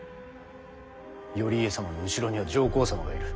頼家様の後ろには上皇様がいる。